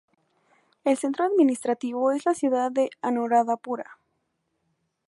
El centro administrativo es la ciudad de Anuradhapura.